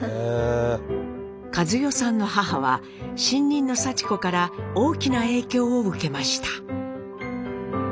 和世さんの母は新任のさち子から大きな影響を受けました。